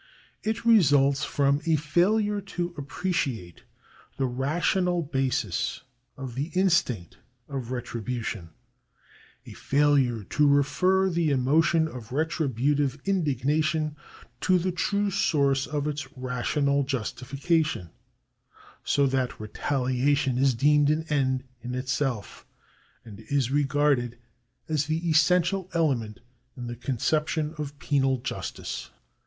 It results from a failure to appre ciate the rational basis of the instinct of retribution — a failure to refer the emotion of retributive indignation to the true source of its rational justification — so that retaliation is deemed an end in itself, and is regarded as the essential element in the conception of penal justice.